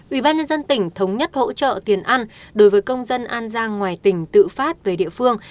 ubnd tỉnh thống nhất hỗ trợ tiền ăn đối với công dân an giang ngoài tỉnh tự phát về địa phương